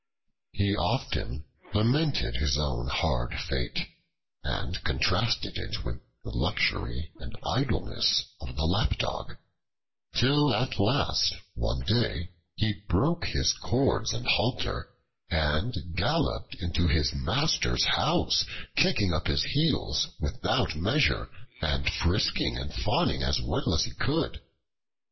He often lamented his own hard fate and contrasted it with the luxury and idleness of the Lapdog, till at last one day he broke his cords and halter, and galloped into his master's house, kicking up his heels without measure, and frisking and fawning as well as he could.